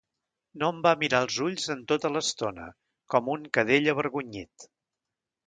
No em va mirar als ulls en tota l'estona, com un cadell avergonyit.